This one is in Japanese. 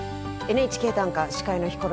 「ＮＨＫ短歌」司会のヒコロヒーです。